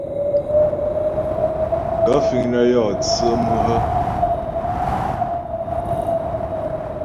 Gaə̂ fíŋ nə́ yɔ tsə́ mú hə́ ?